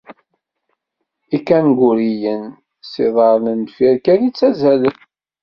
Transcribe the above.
Ikanguruyen s yiḍarren n deffir kan i ttazzalen.